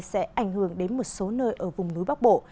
sẽ ảnh hưởng đến một số nơi ở vùng núi bắc bộ